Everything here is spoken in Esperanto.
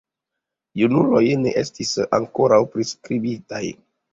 Junuloj ne estis ankoraŭ priskribitaj.